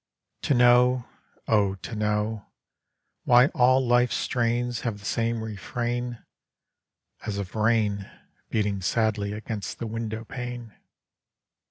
To know, oh, to know Why all life's strains have the sane refrain As of rain, Beating sadly against the window pane.